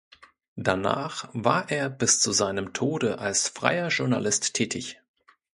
Danach war er bis zu seinem Tode als freier Journalist tätig.